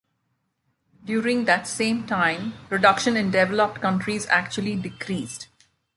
During that same time, production in developed countries actually decreased.